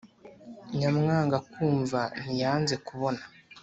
« nyamwanga kumva ntiyanze kubona.